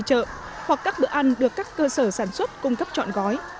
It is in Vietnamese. trường tự đi chợ hoặc các bữa ăn được các cơ sở sản xuất cung cấp trọn gói